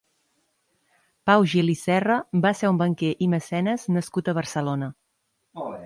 Pau Gil i Serra va ser un banquer i mecenes nascut a Barcelona.